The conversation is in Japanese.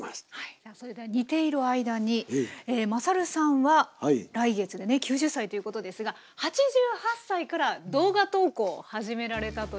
それでは煮ている間にまさるさんは来月でね９０歳ということですが８８歳から動画投稿を始められたということで。